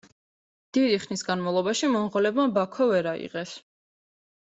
დიდი ხნის განმავლობაში მონღოლებმა ბაქოს ვერ აიღეს.